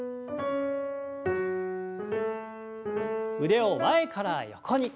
腕を前から横に。